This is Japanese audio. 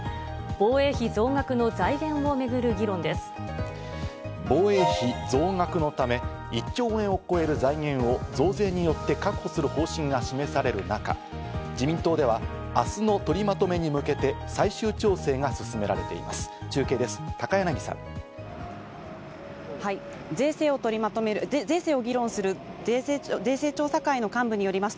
防衛費増額のため、１兆円を超える財源を増税によって確保する方針が示される中、自民党では明日の取りまとめに向けて最終調整が進められています。